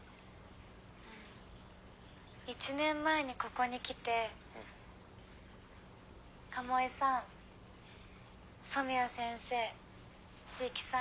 １年前にここに来て鴨居さん染谷先生椎木さん